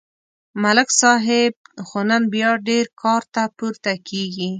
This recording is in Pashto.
ملک صاحب خو نن بیا ډېر کار ته پورته کېږي